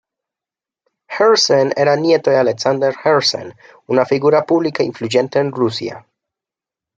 Herzen era nieto de Alexander Herzen, una figura pública influyente en Rusia.